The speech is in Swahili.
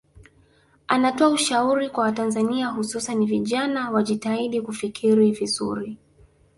Anatoa ushauri kwa Watanzania hususani vijana wajitahidi kufikiri vizuri